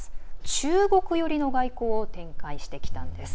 中国寄りの外交を展開してきたんです。